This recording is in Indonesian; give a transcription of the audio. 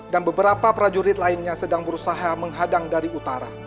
dan beberapa prajurit lainnya sedang berusaha menghadang dari utara